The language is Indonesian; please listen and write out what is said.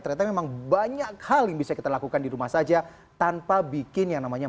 ternyata memang banyak hal yang bisa kita lakukan di rumah saja tanpa bikin yang namanya